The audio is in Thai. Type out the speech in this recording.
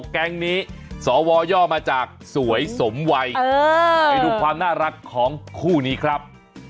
แก๊งนี้สวย่อมาจากสวยสมวัยไปดูความน่ารักของคู่นี้ครับ